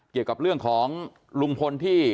เกี่ยวกับเรื่องของลุงพลที่